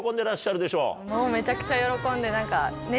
もうめちゃくちゃ喜んで。